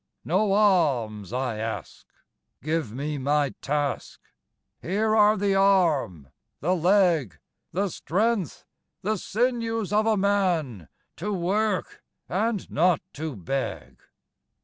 No alms I ask, give me my task: Here are the arm, the leg, The strength, the sinews of a Man, To work, and not to beg.